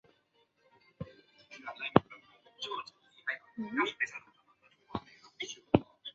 一般作为药用。